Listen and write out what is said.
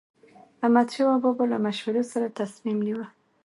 احمدشاه بابا به له مشورو سره تصمیم نیوه.